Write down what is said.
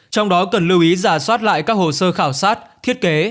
trong đó cần lưu ý giả soát lại các hồ sơ khảo sát thiết kế